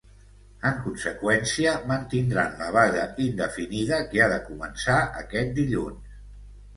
En conseqüència, mantindran la vaga indefinida que ha de començar aquest dilluns.